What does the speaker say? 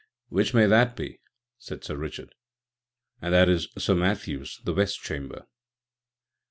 "Which may that be?" said Sir Richard. "And that is Sir Matthew's â€" the West Chamber."